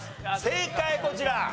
正解こちら。